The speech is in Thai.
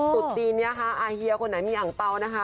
ตุ๊ดจีนนี้ค่ะอาเฮียคนไหนมีอังเปล่านะคะ